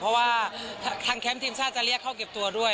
เพราะว่าทางแคมป์ทีมชาติจะเรียกเข้าเก็บตัวด้วย